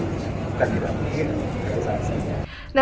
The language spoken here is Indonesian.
kita tidak mungkin kerasasinya